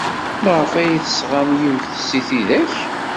Maɣef ay d-tesɣam yiwet seg tidak?